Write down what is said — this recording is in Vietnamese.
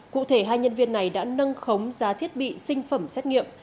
cụ thể hai nhân viên này đã nâng khống giá thiết bị sinh phẩm xét nghiệm